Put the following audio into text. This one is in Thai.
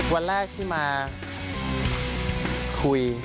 วันแรกที่มาคุย